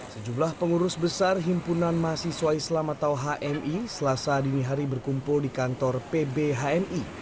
sejumlah pengurus besar himpunan mahasiswa islam atau hmi selasa dini hari berkumpul di kantor pb hmi